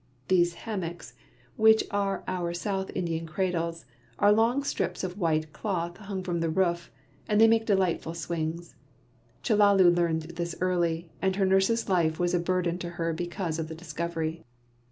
These hammocks, which are our South Indian cradles, are long strips of white cotton hung from the roof, and they make delightful swings. Chellalu learned this early, and her nurse's life was a burden to her because of the discovery.